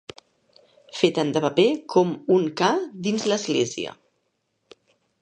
Fer tant de paper com un ca dins l'església.